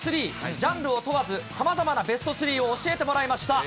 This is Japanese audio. ジャンルを問わず、さまざまなベスト３を教えてもらいました。